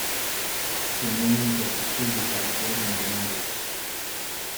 The names are preceded by ordinal numbers.